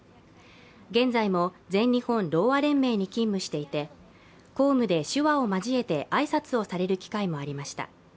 現在も全日本ろうあ連盟に勤務していて、公務で手話を交えて挨拶をされる機会もありました。